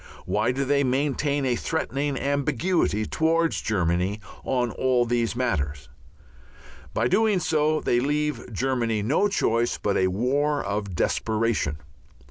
Why do they maintain a threatening ambiguity towards Germany on all these matters? By doing so they leave Germany no choice but a war of desperation.